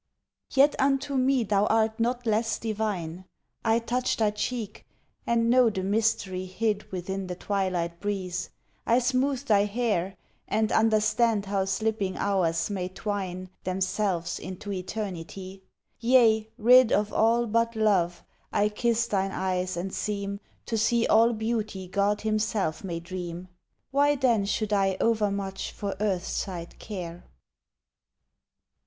Yet unto me thou art not less divine, I touch thy cheek and know the mystery hid Within the twilight breeze; I smooth thy hair And understand how slipping hours may twine Themselves into eternity: yea, rid Of all but love, I kiss thine eyes and seem To see all beauty God Himself may dream. Why then should I o'ermuch for earth sight care?